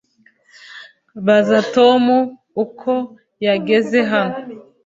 Baza Tom uko yageze hano